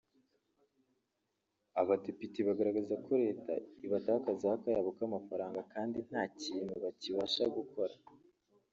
Abadepite bagaragazaga ko Leta ibatakazaho akayabo k’amafaranga kandi nta kintu bakibasha gukora